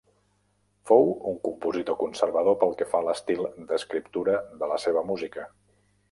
Fou un compositor conservador pel que fa a l'estil d'escriptura de la seva música.